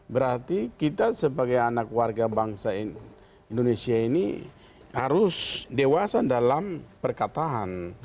berarti kita sebagai anak warga bangsa indonesia ini harus dewasa dalam perkataan